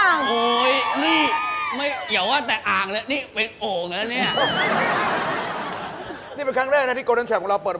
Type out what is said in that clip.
อันนี้หิวครับอันนี้ปกติครับ